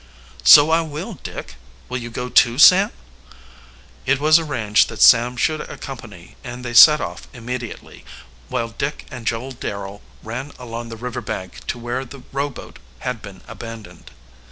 "So I will, Dick. Will you go too, Sam?" It was arranged that Sam should accompany and they set off immediately, while Dick and Joel Darrel ran along the river bank to where the rowboat had been abandoned.